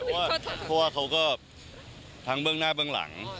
เพราะว่าเขาก็ทั้งเบื้องหน้าเบื้องหลัง